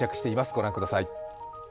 ご覧ください。